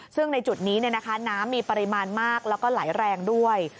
ซึ่งในจุดนี้น้ำมีปริมาณมากแล้วก็ไหลแรงด้วย